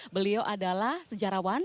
beliau adalah sejarawan